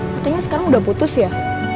katanya sekarang udah putus ya